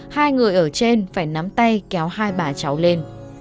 hai người ở trên phải nắm tay kéo hai bà cháu lên